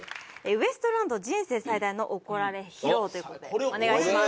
「ウエストランド人生最大の怒られ披露」という事でお願いします。